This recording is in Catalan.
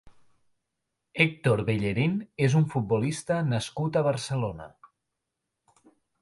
Héctor Bellerín és un futbolista nascut a Barcelona.